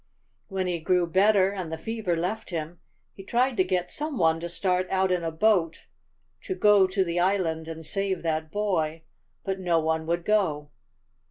"When he grew better, and the fever left him, he tried to get some one to start out in a boat to go to the island and save that boy. But no one would go."